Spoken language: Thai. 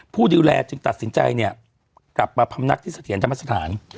ผู้ดูแลจึงตัดสินใจเนี่ยกลับมาพำนักที่เสถียรธรรมสถาน